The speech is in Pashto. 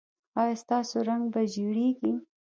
ایا ستاسو رنګ به زیړیږي؟